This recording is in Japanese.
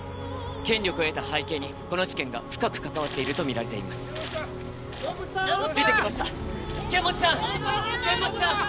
権力を得た背景にこの事件が深く関わっているとみられています出てきました剣持さん剣持さん